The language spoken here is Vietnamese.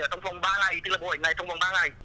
ở trong vòng ba ngày tức là bộ ảnh này trong vòng ba ngày